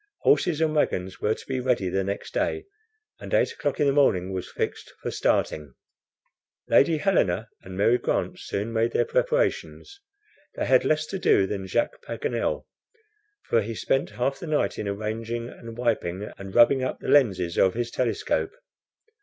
Horses and wagons were to be ready the next day, and eight o'clock in the morning was fixed for starting. Lady Helena and Mary Grant soon made their preparations. They had less to do than Jacques Paganel, for he spent half the night in arranging, and wiping, and rubbing up the lenses of his telescope.